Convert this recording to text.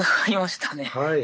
はい。